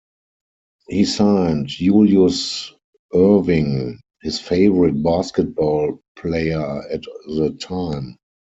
He signed Julius Erving, his favorite basketball player at the time.